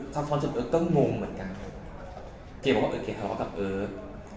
ซับซ้อนจนเอิร์กก็งงเหมือนกันเกรียบว่าเอิร์กเกลียดทะเลาะกับเอิร์ก